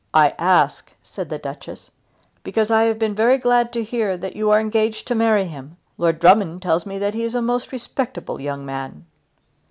"I ask," said the Duchess, "because I have been very glad to hear that you are engaged to marry him. Lord Drummond tells me that he is a most respectable young man."